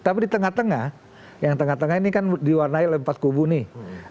tapi di tengah tengah yang tengah tengah ini kan diwarnain lebat kubu nih